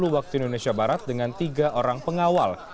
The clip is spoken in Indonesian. sepuluh waktu indonesia barat dengan tiga orang pengawal